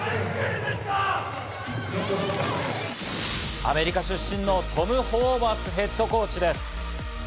アメリカ出身のトム・ホーバスヘッドコーチです。